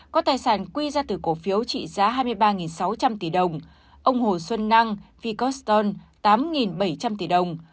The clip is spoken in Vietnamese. có tài sản quy ra từ cổ phiếu trị giá hai mươi ba sáu trăm linh tỷ đồng ông hồ xuân năng ficoston tám bảy trăm linh tỷ đồng